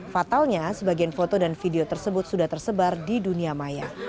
fatalnya sebagian foto dan video tersebut sudah tersebar di dunia maya